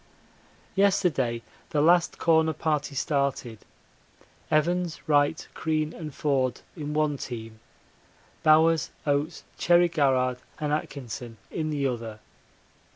Yesterday the last Corner Party started: Evans, Wright, Crean, and Forde in one team; Bowers, Oates, Cherry Garrard, and Atkinson in the other.